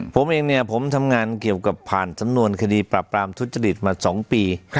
ผมเองเนี่ยผมทำงานเกี่ยวกับผ่านสำนวนคดีปราบปรามทุจริตมา๒ปี